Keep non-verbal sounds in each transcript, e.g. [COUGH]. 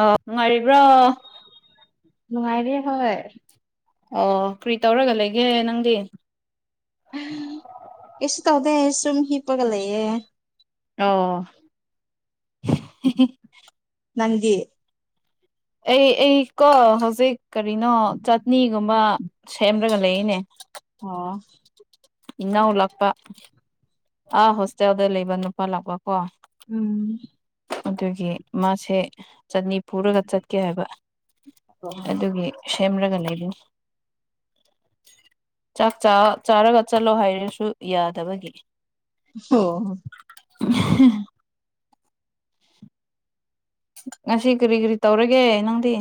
ꯑꯣ ꯅꯨꯡꯉꯥꯏꯔꯤꯕ꯭ꯔꯣ ꯅꯉꯥꯏꯤꯌꯦ ꯍꯣꯏ ꯑꯣ ꯀ꯭ꯔꯤ ꯇꯧꯔꯒ ꯂꯩꯒꯦ ꯅꯪꯗꯤ ꯀꯤꯁ ꯇꯥꯎꯗꯦ ꯁꯨꯝ ꯍꯤꯄꯒꯂꯩꯌꯦ ꯑꯣ ꯅꯪꯗꯤ ꯑꯩ ꯑꯩ ꯀꯣ ꯍꯧꯖꯤꯛ ꯀꯔꯤꯅꯣ ꯆꯠꯅꯤꯒꯨꯝꯕ ꯁꯦꯝꯔꯒ ꯂꯩꯌꯦꯅꯦ ꯑꯣ ꯏꯟꯅꯎ ꯂꯥꯛꯄ ꯑꯥ ꯍꯣꯁꯇꯦꯜꯗ ꯂꯩꯕ ꯅꯨꯄꯥ ꯂꯥꯛꯄ ꯀꯣ ꯎꯝ ꯑꯗꯨꯒꯤ ꯃꯥꯁꯦ ꯆꯠꯅꯤ ꯄꯨꯔꯒ ꯆꯠꯀꯦ ꯍꯥꯏꯕ ꯑꯣ ꯑꯗꯨꯒꯤ ꯁꯦꯝꯔꯒ ꯂꯩꯕꯅꯤ ꯆꯥꯛ ꯆꯥ ꯆꯥꯔꯒ ꯆꯠꯂꯣ ꯍꯥꯏꯔꯁꯨ ꯌꯥꯗꯕꯒꯤ [UNINTELLIGIBLE] [UNINTELLIGIBLE] ꯉꯁꯤ ꯀꯔꯤ ꯀꯔꯤ ꯇꯧꯔꯒꯦ ꯅꯪꯗꯤ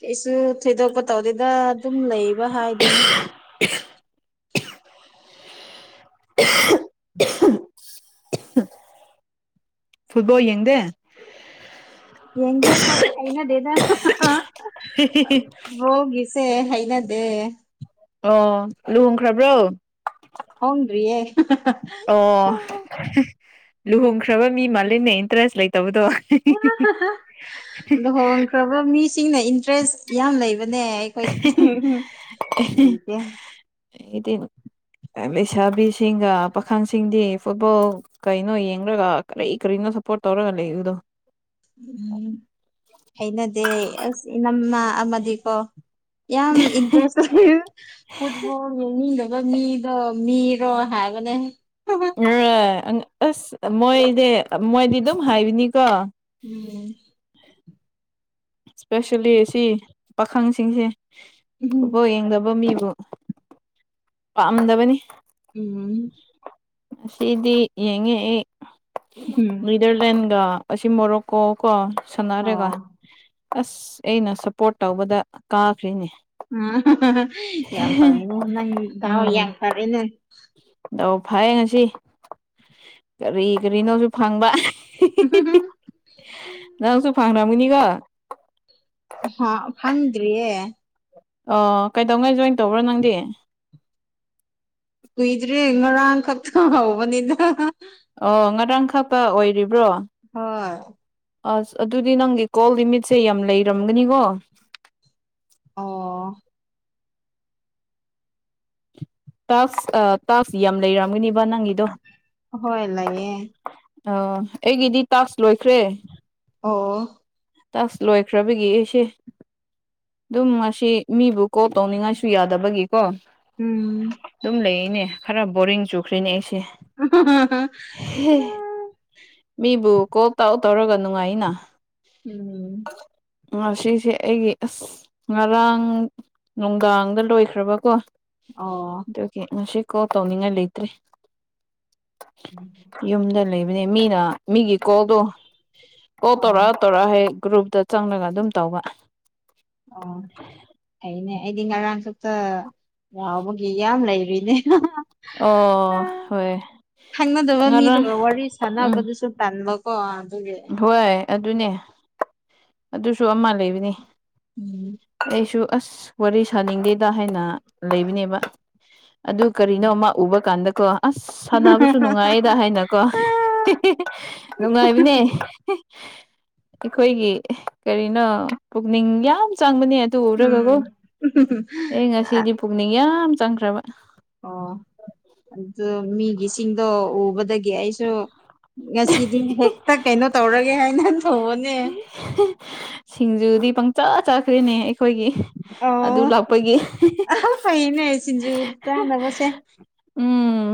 ꯀꯩꯁꯨ ꯊꯣꯏꯗꯣꯛꯄ ꯇꯧꯗꯦꯗ ꯑꯗꯨꯝ ꯂꯩꯕ ꯍꯥꯏꯗꯨꯅꯤ [INAUDIBLE] ꯐꯨꯠꯕꯣꯜ ꯌꯦꯡꯗꯦ ꯌꯦꯡꯗꯦ ꯍꯣꯏ ꯍꯩꯅꯗꯦꯗꯥ ꯕꯜꯣꯒꯤꯁꯦ ꯍꯩꯅꯗꯦ ꯑꯣ ꯂꯨꯍꯣꯡꯈ꯭ꯔꯕ꯭ꯔꯣ ꯍꯣꯡꯗ꯭ꯔꯤꯌꯦ ꯑꯣ ꯂꯨꯍꯣꯡꯈ꯭ꯔꯕ ꯃꯤ ꯃꯥꯜꯂꯤꯅꯦ ꯏꯟꯇꯔꯦꯁ ꯂꯩꯇꯕꯗꯣ ꯂꯨꯍꯣꯡꯈ꯭ꯔꯕ ꯃꯤꯁꯤꯡꯅ ꯏꯟꯇꯔꯦꯁ ꯌꯥꯝ ꯂꯩꯕꯅꯦ ꯑꯈꯣꯏꯗꯤ [UNINTELLIGIBLE] ꯂꯩꯇꯦ ꯑꯩꯗꯤ ꯂꯩꯁꯥꯕꯤꯁꯤꯡꯒ ꯄꯥꯈꯪꯁꯤꯡꯗꯤ ꯐꯨꯠꯕꯣꯜ ꯀꯩꯅꯣ ꯌꯦꯡꯂꯡꯒ ꯀꯔꯤ ꯀꯔꯤꯅꯣ ꯁꯞꯄꯣꯔꯠ ꯇꯧꯔꯒ ꯂꯩꯕꯗꯣ ꯑꯝ ꯍꯩꯅꯗꯦ ꯑꯁ ꯏꯅꯝꯃꯥ ꯑꯃꯗꯤꯀꯣ ꯌꯥꯝ ꯏꯟꯇ꯭ꯔꯦꯁ [UNINTELLIGIBLE] ꯐꯨꯠꯕꯣꯜ ꯌꯦꯡꯅꯤꯡꯗꯕ ꯃꯤꯗꯣ ꯃꯤꯔꯣ ꯍꯥꯏꯕꯅꯦ ꯍꯣꯏ ꯑꯁ ꯃꯣꯏꯗꯤ ꯃꯣꯏꯗꯤ ꯑꯗꯨꯝ ꯍꯥꯏꯕꯅꯤꯀꯣ ꯎꯝ ꯏꯁꯄꯦꯁꯦꯜꯂꯤ ꯁꯤ ꯄꯥꯈꯪꯁꯤꯡꯁꯤ ꯎꯝ ꯐꯨꯠꯕꯣꯜ ꯌꯦꯡꯗꯕ ꯃꯤꯕꯨ ꯄꯥꯝꯗꯕꯅꯤ ꯎꯝ ꯑꯁꯤꯗꯤ ꯌꯦꯡꯉꯛꯏ ꯑꯩ ꯎꯝ ꯅꯤꯗ꯭ꯔꯂꯦꯟꯒ ꯑꯁꯤ ꯃꯣꯔꯣꯛ ꯀꯣ ꯀꯣ ꯁꯥꯟꯅꯔꯒ ꯑꯣ ꯑꯁ ꯑꯩꯅ ꯁꯞꯄꯣꯔꯠ ꯇꯧꯕꯗ ꯀꯥꯈ꯭ꯔꯤꯅꯦ ꯌꯥꯝ ꯐꯥꯔꯅꯦ ꯅꯪ ꯗꯥꯎ ꯎꯝ ꯌꯥꯈ꯭ꯔꯦꯅꯦ ꯗꯥꯎ ꯐꯩꯌꯦ ꯉꯁꯤ ꯀꯔꯤ ꯀꯔꯤꯅꯣꯁꯨ ꯐꯪꯕ [UNINTELLIGIBLE] ꯅꯪꯁꯨ ꯐꯪꯂꯝꯒꯅꯤꯀꯣ ꯍꯥ ꯐꯪꯗ꯭ꯔꯤꯌꯦ ꯑꯣ ꯀꯩꯗꯉꯩ ꯖꯣꯏꯟ ꯇꯧꯕ꯭ꯔ ꯅꯪꯗꯤ ꯀꯨꯏꯗ꯭ꯔꯤ ꯉꯔꯥꯡ ꯈꯛꯇ ꯍꯧꯕꯅꯤꯗ ꯑꯣ ꯉꯔꯥꯡ ꯈꯪꯛꯇ ꯑꯣꯏꯔꯤꯕ꯭ꯔꯣ ꯍꯣꯏ ꯑꯁ ꯑꯗꯨꯗꯤ ꯅꯪꯒꯤ ꯀꯣꯜ ꯂꯤꯃꯤꯠꯁꯦ ꯌꯥꯝ ꯂꯩꯔꯝꯒꯅꯤꯀꯣ ꯑꯣ ꯇꯥꯛꯁ ꯑꯥ ꯇꯥꯛꯁ ꯌꯥꯝ ꯂꯩꯔꯝꯒꯅꯤꯕ ꯅꯪꯒꯤꯗꯣ ꯍꯣꯏ ꯂꯩꯌꯦ ꯑꯣ ꯑꯩꯒꯤꯗꯤ ꯇꯥꯛꯁ ꯂꯣꯏꯈ꯭ꯔꯦ ꯑꯣ ꯇꯥꯛꯁ ꯂꯣꯏꯈ꯭ꯔꯕꯒꯤ ꯑꯩꯁꯤ ꯑꯗꯨꯝ ꯉꯁꯤ ꯃꯤꯕꯨ ꯀꯣꯜ ꯇꯧꯅꯤꯡꯉꯥꯏꯁꯨ ꯌꯥꯗꯕꯒꯤꯀꯣ ꯎꯝ ꯑꯗꯨꯝ ꯂꯩꯌꯦꯅꯦ ꯈꯔ ꯕꯣꯔꯤꯡ ꯆꯨꯈ꯭ꯔꯦꯅꯦ ꯑꯩꯁꯦ ꯍꯦ ꯍꯦ ꯃꯤꯕꯨ ꯀꯣꯜ ꯇꯧ ꯇꯧꯔꯒ ꯅꯨꯡꯉꯥꯏꯅ ꯎꯝ ꯉꯁꯤꯁꯦ ꯑꯩꯒꯤ ꯑꯁ ꯉꯔꯥꯡ ꯅꯨꯡꯗꯥꯡꯗ ꯂꯣꯏꯈ꯭ꯔꯕ ꯀꯣ ꯑꯣ ꯑꯗꯨꯒꯤ ꯉꯁꯤ ꯀꯣꯜ ꯇꯧꯅꯤꯡꯉꯥꯏ ꯂꯩꯇ꯭ꯔꯤ [INAUDIBLE] ꯌꯨꯝꯗ ꯂꯩꯕꯅꯦ ꯃꯤꯅ ꯃꯤꯒꯤ ꯀꯣꯜꯗꯣ ꯀꯣꯜ ꯑꯣ ꯇꯧꯔꯛꯑꯥ ꯇꯧꯔꯛ ꯍꯦꯛ ꯒ꯭ꯔꯨꯞꯇ ꯆꯪꯂꯒ ꯑꯗꯨꯝ ꯇꯧꯕ ꯑꯣ ꯐꯩꯅꯦ ꯑꯩꯗꯤ ꯉꯔꯥꯡꯈꯛꯇ ꯌꯥꯎꯕꯒꯤ ꯌꯥꯝ ꯂꯩꯔꯤꯅꯦ ꯑꯣ ꯍꯣꯏ ꯈꯪꯅꯗꯕ ꯃꯤꯗꯨꯒ ꯉꯔꯥꯡ ꯋꯥꯔꯤ ꯎꯝ ꯁꯥꯟꯅꯕꯗꯨꯁꯨ ꯇꯟꯕ ꯀꯣ ꯍꯣꯏ ꯑꯗꯨꯅꯦ ꯑꯗꯨꯁꯨ ꯑꯃ ꯂꯩꯕꯅꯤ ꯎꯝ ꯑꯩꯁꯨ ꯑꯁ ꯋꯥꯔꯤ ꯁꯥꯅꯤꯡꯗꯦꯗ ꯍꯥꯏꯅ ꯂꯩꯕꯅꯦꯕ ꯑꯗꯨ ꯀꯔꯤꯅꯣ ꯑꯃ ꯎꯕ ꯀꯥꯟꯗꯀꯣ ꯑꯁ ꯁꯥꯟꯅꯕꯁꯨ ꯅꯨꯡꯉꯥꯏꯌꯦꯗ ꯍꯥꯏꯅꯀꯣ [UNINTELLIGIBLE] ꯅꯨꯡꯉꯥꯏꯕꯅꯦ ꯑꯩꯈꯣꯏꯒꯤ ꯀꯔꯤꯅꯣ ꯄꯨꯛꯅꯤꯡ ꯌꯥꯝ ꯆꯪꯕꯅꯦ ꯑꯗꯨ ꯎꯝ ꯎꯔꯒꯀꯣ ꯑꯩ ꯉꯁꯤꯗꯤ ꯄꯨꯛꯅꯤꯡ ꯌꯥꯝ ꯆꯪꯈ꯭ꯔꯕ ꯑꯣ ꯑꯗꯨ ꯃꯤꯒꯤꯁꯤꯡꯗꯣ ꯎꯕꯗꯒꯤ ꯑꯩꯁꯨ ꯉꯁꯤꯗꯤ ꯍꯦꯛꯇ ꯀꯩꯅꯣ ꯇꯧꯔꯒꯦ ꯍꯥꯏꯅ ꯇꯧꯕꯅꯦ ꯁꯤꯡꯖꯨꯗꯤ ꯄꯪꯆꯥ ꯆꯥꯈ꯭ꯔꯦꯅꯦ ꯑꯩꯈꯣꯏꯒꯤ ꯑꯗꯨ ꯂꯥꯛꯄꯒꯤ [UNINTELLIGIBLE] ꯁꯤꯟꯖꯨ ꯆꯥꯅꯕꯁꯦ ꯎꯝ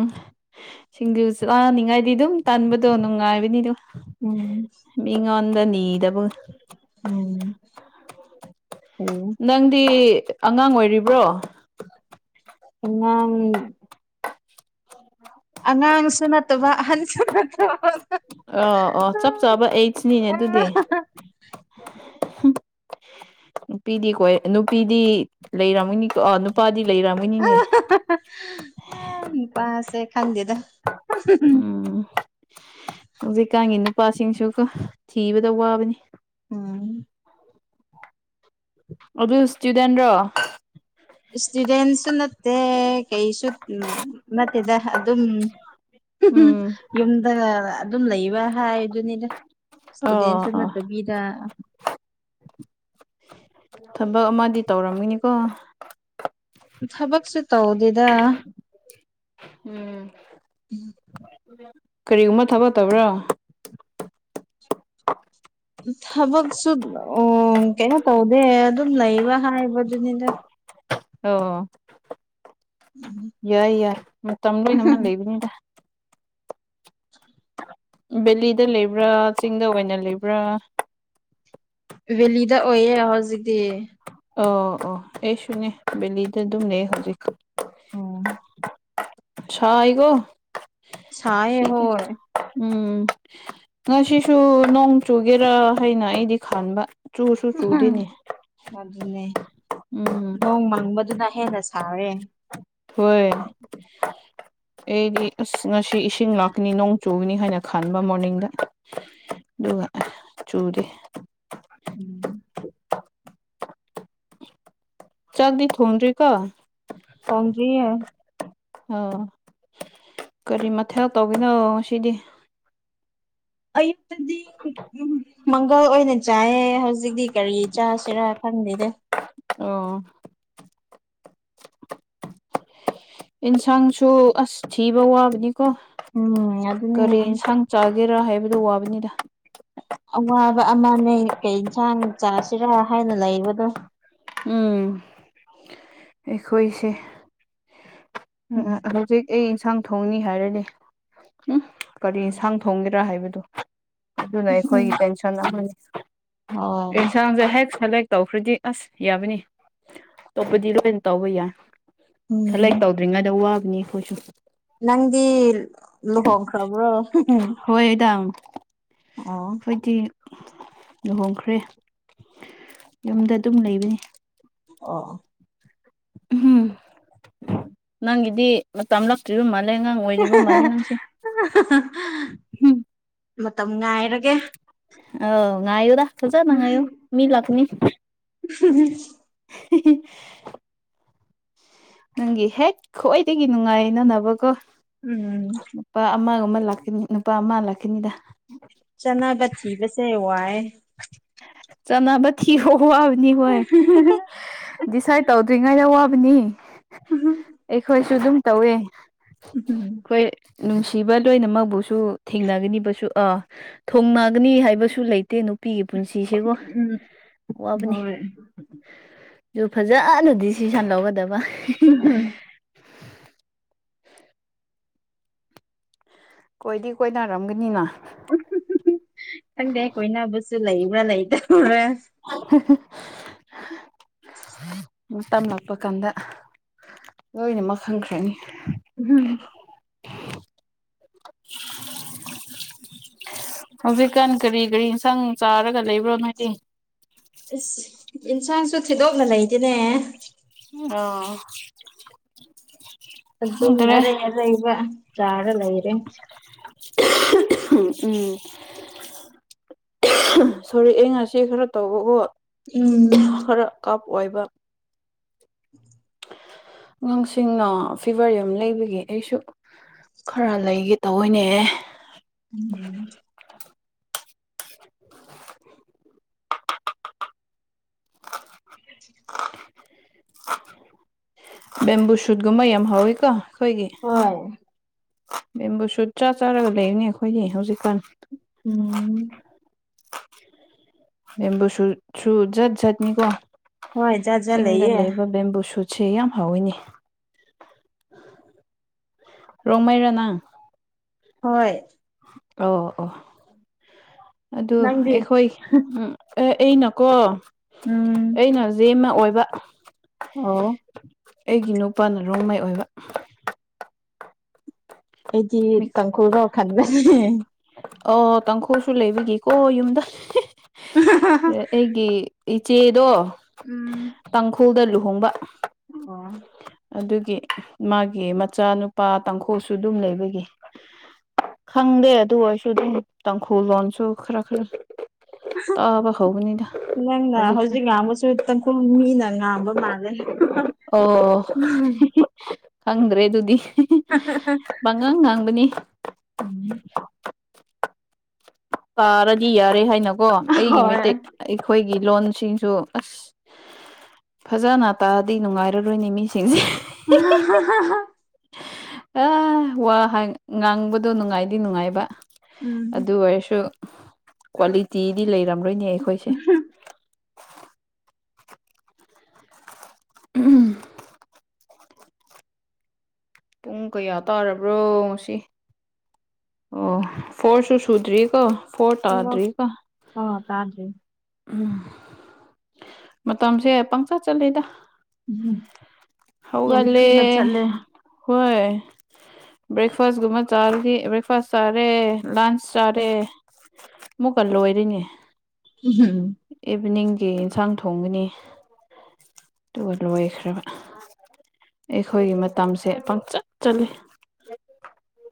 ꯁꯤꯡꯖꯨ ꯆꯥꯅꯤꯡꯉꯥꯏꯗꯤ ꯑꯗꯨꯝ ꯇꯟꯕꯗꯣ ꯅꯨꯡꯉꯥꯏꯕꯅꯤꯗꯨ ꯎꯝ ꯃꯤꯉꯣꯟꯗ ꯅꯤꯗꯕꯒ ꯎꯝ [UNINTELLIGIBLE] ꯅꯪꯗꯤ ꯑꯉꯥꯡ ꯑꯣꯏꯔꯤꯕ꯭ꯔꯣ ꯑꯉꯥꯡ ꯑꯉꯥꯡꯁꯨ ꯅꯠꯇꯕ ꯑꯍꯟꯁꯨ ꯅꯠꯇꯕ ꯑꯣ ꯑꯣ ꯆꯞ ꯆꯥꯕ ꯑꯦꯁꯅꯤꯅꯦ ꯑꯗꯨꯗꯤ ꯅꯨꯄꯤꯗꯤ ꯀꯣꯏ ꯅꯨꯄꯤꯗꯤ ꯂꯩꯔꯝꯅꯤ ꯅꯨꯄꯥꯗꯤ ꯂꯩꯔꯝꯒꯅꯤꯅꯦ [UNINTELLIGIBLE] ꯅꯨꯄꯥꯁꯦ ꯈꯪꯗꯦꯗ [UNINTELLIGIBLE] ꯎꯝ ꯍꯧꯖꯤꯛꯀꯥꯟꯒꯤ ꯅꯨꯄꯥꯁꯤꯡꯁꯨꯀꯣ ꯊꯤꯕꯗ ꯋꯥꯕꯅꯤ ꯎꯝ ꯑꯗꯨ ꯁ꯭ꯇꯨꯗꯦꯟꯔꯣ ꯁ꯭ꯇꯨꯗꯦꯟꯁꯨ ꯅꯠꯇꯦ ꯀꯩꯁꯨ ꯎꯝ ꯅꯠꯇꯦꯗ ꯑꯗꯨꯝ ꯎꯝ ꯌꯨꯝꯗ ꯑꯗꯨꯝ ꯂꯩꯕ ꯍꯥꯏꯕꯗꯨꯅꯤꯗ ꯁ꯭ꯇꯨꯗꯦꯟꯁꯨ ꯑꯣ ꯑꯣ ꯅꯠ ꯇꯕꯤꯗ ꯊꯕꯛ ꯑꯃꯗꯤ ꯇꯧꯔꯝꯒꯅꯤꯀꯣ ꯊꯕꯛꯁꯨ ꯇꯧꯗꯦꯗ ꯎꯝ ꯎꯝ ꯀꯔꯤꯒꯨꯝꯕ ꯊꯕꯛ ꯇꯧꯕ꯭ꯔꯣ ꯊꯕꯛꯁꯨ ꯑꯣ ꯀꯩꯅꯣ ꯇꯧꯗꯦ ꯑꯗꯨꯝ ꯂꯩꯕ ꯍꯥꯏꯕꯗꯨꯅꯤꯗ ꯑꯣ ꯌꯥꯏ ꯌꯥꯏ ꯃꯇꯝ ꯂꯣꯏꯅꯃꯛ ꯂꯩꯕꯅꯤꯗ [INAUDIBLE] ꯕꯦꯂꯤꯗ ꯂꯩꯕ꯭ꯔꯥ ꯆꯤꯡꯗ ꯑꯣꯏꯅ ꯂꯩꯕ꯭ꯔꯥ ꯕꯦꯂꯤꯗ ꯑꯣꯏꯌꯦ ꯍꯧꯖꯤꯛꯇꯤ ꯑꯣ ꯑꯣ ꯑꯩꯁꯨꯅꯦ ꯕꯦꯂꯤꯗ ꯑꯗꯨꯝ ꯂꯩꯌꯦ ꯍꯧꯖꯤꯛ ꯑꯣ ꯁꯥꯏꯒꯣ ꯁꯥꯏꯌꯦ ꯍꯣꯏ ꯎꯝ ꯉꯁꯤꯁꯨ ꯅꯣꯡ ꯆꯨꯒꯦꯔꯥ ꯍꯥꯏꯅ ꯑꯩꯗꯤ ꯈꯥꯟꯕ ꯆꯨꯁꯨ ꯆꯨꯗꯦꯅꯦ ꯑꯗꯨꯅꯦ ꯎꯝ ꯅꯣꯡ ꯃꯪꯕꯗꯨꯅ ꯍꯦꯟꯅ ꯁꯥꯔꯦ ꯍꯣꯏ ꯑꯩꯗꯤ ꯑꯁ ꯉꯁꯤ ꯏꯁꯤꯡ ꯂꯥꯛꯀꯅꯤ ꯅꯣꯡ ꯆꯨꯒꯅꯤ ꯍꯥꯏꯅ ꯈꯟꯕ ꯃꯣꯔꯅꯤꯡꯗ ꯑꯗꯨꯒ ꯆꯨꯗꯦ [UNINTELLIGIBLE] ꯆꯥꯛꯇꯤ ꯊꯣꯡꯗꯔꯤꯀꯣ ꯊꯣꯡꯗ꯭ꯔꯤꯌꯦ ꯑꯧ ꯀꯔꯤ ꯃꯊꯦꯜ ꯇꯧꯕꯤꯅꯣ ꯉꯁꯤꯗꯤ ꯑꯌꯨꯛꯄꯨꯗꯤ ꯎꯝ ꯃꯪꯒꯜ ꯑꯣꯏꯅ ꯆꯥꯏꯌꯦ ꯍꯧꯖꯤꯛꯇꯤ ꯀꯔꯤ ꯆꯥꯁꯤꯔꯥ ꯈꯪꯗꯦꯗꯦ ꯑꯣ ꯏꯟꯁꯥꯡꯁꯨ ꯑꯁ ꯊꯤꯕ ꯋꯥꯕꯅꯤꯀꯣ ꯎꯝ ꯑꯗꯨꯅꯦ ꯀꯔꯤ ꯏꯟꯁꯥꯡ ꯆꯥꯒꯦꯔꯥ ꯍꯥꯏꯕꯗꯨ ꯋꯥꯕꯅꯤꯗ ꯑꯋꯥꯕ ꯑꯃꯅꯦ ꯀꯩ ꯏꯟꯁꯥꯡ ꯆꯥꯁꯤꯔꯥ ꯍꯥꯏꯅ ꯂꯩꯕꯅꯣ ꯎꯝ ꯑꯩꯈꯣꯏꯁꯦ ꯎꯝ ꯑꯥ ꯍꯧꯖꯤꯛ ꯑꯩ ꯏꯟꯁꯥꯡ ꯊꯣꯡꯅꯤ ꯍꯥꯏꯔꯗꯤ ꯎꯝ ꯀꯔꯤ ꯏꯟꯁꯥꯡ ꯊꯣꯡꯒꯦꯗꯔꯥ ꯍꯥꯏꯕꯗꯨ ꯑꯗꯨꯅ ꯑꯩꯈꯣꯏꯒꯤ ꯇꯦꯟꯁꯟ ꯑꯃꯅꯤ ꯍꯣꯏ ꯌꯦꯟꯁꯥꯡꯁꯦ ꯍꯦꯛ ꯁꯦꯂꯦꯛ ꯇꯧꯈ꯭ꯔꯗꯤ ꯑꯁ ꯌꯥꯕꯅꯤ ꯑꯇꯣꯞꯄꯗꯤ ꯂꯣꯏꯅ ꯇꯧꯕ ꯌꯥ ꯈꯂ ꯎꯝ ꯉꯩꯗ ꯋꯥꯕꯅꯤ ꯑꯩꯈꯣꯏ ꯁꯨ ꯅꯪꯗꯤ ꯂꯨꯍꯣꯡꯈ꯭ꯔꯕ꯭ꯔꯣ ꯍꯣꯏꯗꯥ ꯑꯣ ꯑꯩꯈꯣꯏꯗꯤ ꯂꯨꯍꯣꯡꯈ꯭ꯔꯦ ꯌꯨꯝꯗ ꯑꯗꯨꯝ ꯂꯩꯕꯅꯤ ꯑꯣ ꯎꯝ ꯅꯪꯒꯤꯗꯤ ꯃꯇꯝ ꯂꯛꯇ꯭ꯔꯤꯕ ꯃꯥꯜꯂꯦ ꯑꯉꯥꯡ ꯑꯣꯏꯔꯤꯕ ꯃꯥꯜꯂꯦ ꯅꯪꯁꯦ ꯎꯝ ꯃꯇꯝ ꯉꯥꯏꯔꯒꯦ ꯑꯧ ꯉꯥꯏꯌꯨꯗ ꯐꯖꯅ ꯉꯥꯏꯌꯨ ꯃꯤ ꯂꯥꯛꯀꯅꯤ ꯎ [INAUDIBLE] ꯅꯪꯒꯤ ꯍꯦꯛ ꯈ꯭ꯋꯥꯏꯗꯒꯤ ꯅꯨꯡꯉꯥꯏꯅꯅꯕ ꯀꯣ ꯎꯝ ꯅꯨꯨꯄꯥ ꯑꯃꯒꯨꯝꯃ ꯂꯥꯛꯀꯅꯤ ꯅꯨꯄꯥ ꯑꯃ ꯂꯥꯛꯀꯅꯤꯗ ꯆꯅꯥꯕ ꯊꯤꯕꯁꯦ ꯋꯥꯏ ꯆꯅꯥꯕ ꯊꯤꯕ ꯋꯥꯕꯗꯤ ꯋꯥꯏ ꯗꯤꯁꯥꯏꯠ ꯇꯧꯗ꯭ꯔꯤꯉꯩꯗ ꯋꯥꯕꯅꯤ ꯎꯝ ꯑꯩꯈꯣꯏꯁꯨ ꯑꯗꯨꯝ ꯇꯧꯋꯦ ꯎꯝ ꯑꯩꯈꯣꯏ ꯅꯨꯡꯁꯤꯕ ꯂꯣꯏꯅꯃꯛꯕꯨꯁꯨ ꯊꯦꯡꯅꯒꯅꯤꯕꯁꯨ ꯑꯥ ꯊꯣꯡꯅꯥꯒꯅꯤ ꯍꯥꯏꯕꯁꯨ ꯂꯩꯇꯦ ꯅꯨꯄꯤꯒꯤ ꯄꯨꯟꯁꯤꯁꯤꯀꯣ ꯋꯥꯕꯅꯤ ꯍꯣꯏ ꯨꯑꯗꯨ ꯐꯖꯅ ꯗꯤꯁꯤꯖꯟ ꯂꯧꯒꯗꯕ [UNINTELLIGIBLE] ꯀꯣꯏꯗꯤ ꯀꯣꯏꯅꯔꯝꯒꯅꯤꯅ ꯈꯪꯗꯦ ꯀꯣꯏꯅꯕꯁꯨ ꯂꯩꯕ꯭ꯔꯥ ꯂꯩꯇꯕ꯭ꯔꯥ [INAUDIBLE] ꯃꯇꯝ ꯂꯛꯄ ꯀꯥꯟꯗ ꯂꯣꯏꯅꯃꯛ ꯈꯪꯈ꯭ꯔꯅꯤ ꯎꯍꯨꯝ ꯍꯧꯖꯤꯛꯀꯥꯟ ꯀꯔꯤ ꯀꯔꯤ ꯏꯟꯁꯥꯡ ꯆꯥꯔꯒ ꯂꯩꯕ꯭ꯔꯣ ꯅꯣꯏꯗꯤ ꯏꯁ ꯏꯟꯁꯥꯡꯁꯨ ꯊꯤꯗꯣꯛꯅ ꯂꯩꯇꯦꯅꯦ ꯑ ꯑꯗꯨꯝ ꯑꯔꯩ ꯑꯔꯩꯕ ꯆꯥꯔ ꯂꯩꯔꯦ ꯎꯝ ꯁꯣꯔꯛꯑꯦ ꯉꯁꯤ ꯈꯔ ꯇꯧꯕꯕꯣ ꯎꯝ ꯀꯞ ꯑꯣꯏꯕ ꯉꯥꯡꯁꯤꯡꯅ ꯐꯦꯚꯔ ꯌꯥꯝ ꯂꯩꯕꯒꯤ ꯑꯩꯁꯨ ꯈꯔ ꯂꯩꯒꯦ ꯇꯧꯌꯦꯅꯦ [INAUDIBLE] [INAUDIBLE] ꯕꯦꯝꯕꯨ ꯁꯨꯠꯒꯨꯝꯕ ꯌꯥꯝ ꯍꯥꯎꯌꯤ ꯀꯣ ꯈꯣꯏꯒꯤ ꯍꯣꯏ ꯕꯦꯝꯕꯨ ꯁꯨꯠ ꯆꯥ ꯆꯥꯔꯒ ꯂꯩꯅꯤ ꯑꯈꯣꯏꯒꯤ ꯍꯧꯖꯤꯛꯀꯥꯟ ꯎꯝ ꯕꯦꯝꯕꯨ ꯁꯨꯠꯁꯨ ꯖꯠ ꯖꯠ ꯅꯤꯀꯣ ꯍꯣꯏ ꯖꯥꯠ ꯖꯥꯠ ꯆꯤꯡꯗ ꯂꯩꯌꯦ ꯂꯩꯕ ꯕꯦꯝꯕꯨ ꯁꯨꯠ ꯁꯦ ꯌꯥꯝ ꯍꯥꯎꯌꯤꯅꯦ ꯔꯣꯡꯃꯩꯔꯥ ꯅꯪ ꯍꯣꯏ ꯑꯣ ꯑꯣ ꯑꯗꯨ ꯅꯪꯗꯤ ꯑꯩꯈꯣꯏ ꯎꯝ ꯑꯦ ꯑꯩ ꯅꯀꯣ ꯎꯝ ꯑꯩꯅ ꯖꯦꯃ ꯑꯣꯏꯕ ꯑꯣ ꯑꯩꯒꯤ ꯅꯨꯄꯥꯅ ꯔꯣꯡꯃꯩ ꯑꯣꯏꯕ ꯑꯩꯗꯤ ꯇꯥꯡꯈꯨꯜꯔꯣ ꯈꯟꯕꯅꯦ ꯑꯣ ꯇꯪꯡꯈꯨꯜꯁꯨ ꯂꯩꯕꯤꯒꯦꯀꯣ ꯌꯨꯝꯗ ꯑ ꯑꯩꯒꯤ ꯏꯆꯦꯗꯣ ꯎꯝ ꯇꯥꯡꯈꯨꯜꯗ ꯂꯨꯍꯣꯡꯕ ꯑꯣ ꯑꯗꯨꯒꯤ ꯃꯥꯒꯤ ꯃꯆꯥꯅꯨꯄꯥ ꯇꯥꯡꯈꯨꯜꯁꯨ ꯑꯗꯨꯝ ꯂꯩꯕꯒꯤ ꯈꯪꯗꯦ ꯑꯗꯨ ꯑꯣꯏꯁꯨ ꯑꯗꯨꯝ ꯇꯥꯡꯈꯨꯜ ꯂꯣꯟꯁꯨ ꯈꯔ ꯈꯔ ꯇꯥꯕ ꯍꯧꯕꯅꯤꯗ ꯅꯪꯅ ꯍꯧꯖꯤꯛꯀꯥꯟ ꯍꯧꯖꯤꯛ ꯉꯥꯡꯕꯁꯨ ꯇꯪꯈꯨꯜ ꯃꯤꯅ ꯉꯥꯡꯕ ꯃꯥ ꯑꯣ ꯈꯪꯗ꯭ꯔꯦ ꯑꯗꯨꯗꯤ ꯄꯉꯥꯡ ꯉꯥꯡꯕꯅꯤ ꯎꯝ ꯄꯥꯔꯗꯤ ꯌꯥꯔꯦ ꯍꯥꯏꯅꯀꯣ ꯑꯩꯒꯤ ꯍꯣꯏ ꯃꯩꯠꯇꯩ ꯑꯩꯈꯣꯏꯒꯤ ꯂꯣꯟꯁꯤꯡꯁꯨ ꯑꯁ ꯐꯖꯅ ꯇꯥꯛꯑꯗꯤ ꯅꯨꯡꯉꯥꯏꯔꯔꯣꯏꯅꯦ ꯃꯤꯁꯤꯡꯁꯦ [UNINTELLIGIBLE] ꯑ ꯋꯥ ꯍꯥꯏ ꯉꯥꯡꯕꯗꯣ ꯅꯨꯡꯉꯥꯏꯗꯤ ꯅꯨꯡꯉꯥꯏꯕ ꯎꯝ ꯑꯗꯨ ꯑꯣꯏꯔꯁꯨ ꯀ꯭ꯋꯥꯂꯤꯇꯤꯗꯤ ꯂꯩꯔꯝꯔꯣꯏꯅꯦ ꯑꯩꯈꯣꯏꯁꯦ ꯎꯝ ꯄꯨꯡ ꯀꯌꯥ ꯇꯥꯔꯕ꯭ꯔꯣ ꯉꯁꯤ ꯑꯣ ꯐꯣꯔꯁꯨꯨ ꯁꯨꯗ꯭ꯔꯤ ꯀꯣ ꯐꯣꯔ ꯇꯗ꯭ꯔꯤ ꯀ ꯑꯥ ꯇꯥꯗ꯭ꯔꯤ ꯎꯝ ꯃꯇꯝꯁꯦ ꯄꯪꯆꯠ ꯆꯠꯂꯤꯗ ꯎꯝ. ꯌꯥꯝ ꯍꯥꯎꯒꯠꯂꯦ ꯊꯨꯅ ꯆꯠꯂꯦ ꯍꯣꯏ ꯕ꯭ꯔꯦꯛꯐꯥꯁꯀꯨꯝꯕ ꯆꯥ ꯕ꯭ꯔꯦꯛꯐꯥꯁ ꯆꯥꯔꯦ ꯂꯟꯆ ꯆꯥꯔꯦ ꯃꯨꯛꯀ ꯂꯣꯏꯔꯤꯅꯦ ꯍꯝ ꯏꯚꯤꯅꯤꯡꯒꯤ ꯌꯦꯟꯁꯥꯡ ꯊꯣꯡꯒꯅꯤ ꯑꯗꯨꯒ ꯂꯣꯏꯈ꯭ꯔꯕ ꯑꯩꯈꯣꯏꯒꯤ ꯃꯇꯝꯁꯦ ꯄꯪꯆꯠ ꯆꯠꯂꯤ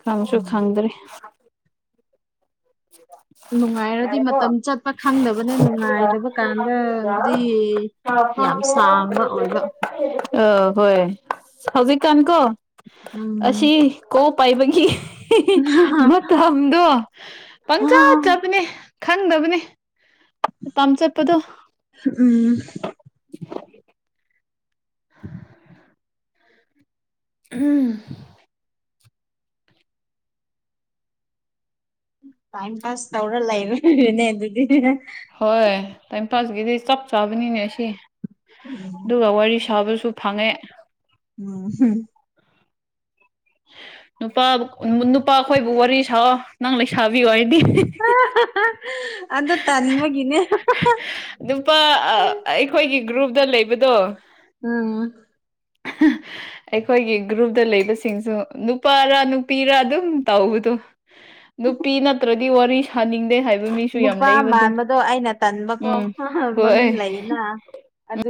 ꯈꯪꯁꯨ ꯈꯪꯗ꯭꯭ꯔꯤ [INAUDIBLE] ꯅꯨꯡꯉꯥꯏꯔꯗꯤ ꯃꯇꯝ ꯆꯠꯄ ꯈꯪꯗꯕꯅ ꯅꯨꯡꯉꯥꯏꯗꯕ ꯀꯥꯟꯗꯗꯤ ꯌꯥꯝ ꯁꯥꯡꯕ ꯑꯣꯏꯕ [UNINTELLIGIBLE] ꯑ ꯍꯣꯏ ꯍꯧꯖꯤꯛꯀꯥꯟ ꯀꯣ ꯑꯁꯤ ꯎꯝ ꯀꯣ ꯄꯥꯏꯕꯒꯤ ꯃꯇꯝꯗꯣ ꯄꯪꯆ ꯆꯕꯅꯦ ꯈꯪꯗꯕꯅꯦ ꯃꯇꯝ ꯆꯠꯄꯗꯣ ꯎꯝ [INAUDIBLE] ꯎꯝ ꯇꯥꯏꯝ ꯄꯥꯁ ꯇꯧꯔ ꯂꯩꯔꯣꯏꯕꯅꯦ ꯑꯗꯨꯗꯤ ꯍꯣꯏ ꯇꯥꯏꯝ ꯄꯥꯁꯀꯤꯗꯤ ꯆꯞ ꯆꯥꯕꯅꯤꯅꯦ ꯑꯁꯤ ꯎꯝ ꯑꯗꯨꯒ ꯋꯥꯔꯤ ꯁꯥꯕꯁꯨ ꯐꯪꯉꯦ [UNINTELLIGIBLE] ꯅꯨꯄꯥ ꯅꯨꯄꯥ ꯑꯩꯈꯣꯏꯕꯨ ꯋꯥꯔꯤ ꯁꯥꯑꯣ ꯅꯪ ꯂꯩꯁꯥꯕꯤ ꯑꯣꯏꯗꯤ ꯑꯗꯨ ꯇꯟꯕꯒꯤꯅꯦ ꯅꯨꯄꯥ ꯑꯩꯈꯣꯏꯒꯤ ꯒ꯭ꯔꯨꯞꯇ ꯂꯩꯕꯗꯣ ꯎꯝ ꯍꯥ ꯑꯩꯈꯣꯏꯒꯤ ꯒ꯭ꯔꯨꯞꯇ ꯂꯩꯕꯁꯤꯡꯁꯨ ꯅꯨꯞ ꯄꯥꯔꯥ ꯅꯨꯄꯤꯔ ꯑꯗꯨꯝ ꯇꯥꯎꯕꯗꯣ ꯅꯨꯄꯤ ꯅꯠꯇ꯭ꯔꯗꯤ ꯋꯥꯔꯤ ꯁꯥꯅꯤꯡꯗꯦ ꯍꯥꯏꯕ ꯑꯗꯨ ꯃꯤꯁꯨ ꯌꯥꯝ ꯅꯨꯄꯥ ꯂꯩꯕꯗꯣ ꯃꯥꯟꯕꯗꯣ ꯑꯩꯅ ꯇꯟꯕꯀꯣ ꯎꯝ ꯍꯣꯏ ꯃꯃꯤꯡ ꯂꯩꯌꯦꯅ ꯑꯗꯨ